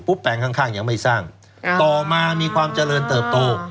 แปลงข้างยังไม่สร้างต่อมามีความเจริญเติบโต